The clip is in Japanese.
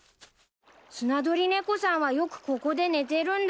スナドリネコさんはよくここで寝てるんだよ。